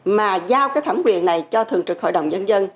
mà giao cái thẩm quyền này cho thường trực hội đồng nhân dân